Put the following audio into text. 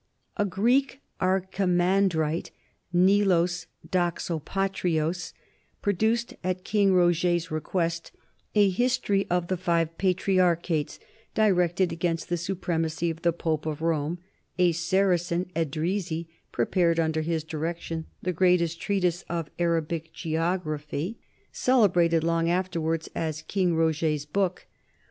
A Greek archimandrite, Neilos Doxopatrios, produced at King Roger's request a History of the Five Patriarchates directed against the supremacy of the Pope of Rome; a Saracen, Edrisi, prepared under his direction the greatest treatise of Arabic geography, THE NORMAN KINGDOM OF SICILY 239 celebrated long afterward as "King Roger's Book."